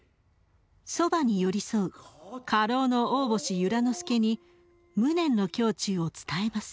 そばに寄り添う家老の大星由良之助に無念の胸中を伝えます。